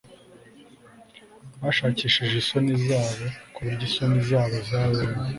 Bashakishije isoni zabo kuburyo isoni zabo zabonye